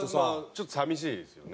ちょっと寂しいですよね。